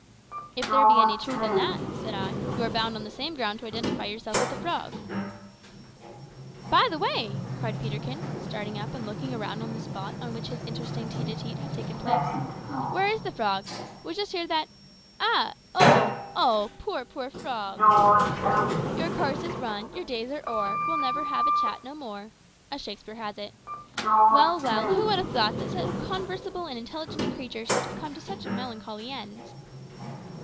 '" "If there be any truth in that," said I, "you are bound, on the same ground, to identify yourself with the frog." "By the way," cried Peterkin, starting up and looking around the spot on which his interesting tete a tete had taken place, "where is the frog? It was just here that Ah! oh! oh! poor, poor frog! "`Your course is run, your days are o'er; We'll never have a chat no more,' "As Shakespeare has it. Well, well, who would have thought that so conversable and intelligent a creature should have come to such a melancholy end?"